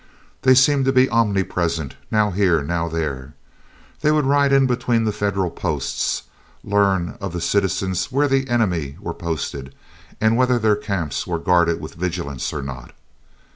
They seemed to be omnipresent, now here, now there. They would ride in between the Federal posts, learn of the citizens where the enemy were posted, and whether their camps were guarded with vigilance or not.